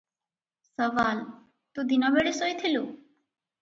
ସୱାଲ - ତୁ ଦିନବେଳେ ଶୋଇଥିଲୁ?